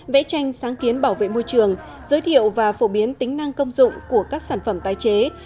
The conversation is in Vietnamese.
vẽ tranh sáng kiến bảo vệ môi trường giới thiệu và phổ biến tính năng công dụng của các sản phẩm tái chế